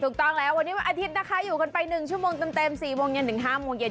ถูกต้องแล้ววันนี้วันอาทิตย์นะคะอยู่กันไป๑ชั่วโมงเต็ม๔โมงเย็นถึง๕โมงเย็น